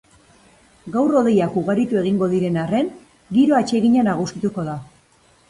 Gaur hodeiak ugaritu egingo diren arren, giro atsegina nagusituko da.